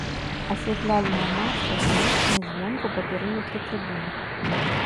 Асвятляльныя мачты размешчаны звонку па перыметры трыбун.